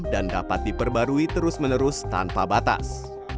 dan dapat diperbarui terus menerus tanpa batas